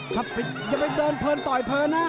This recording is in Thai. จะไปเดินเผลอดอ่ะ